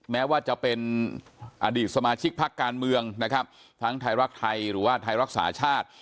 แม้ว่าจะเป็นอดีตสมาชิกภาคการเมืองทั้งท้ายรักไทยหรือว่าท้ายรักษาชาติ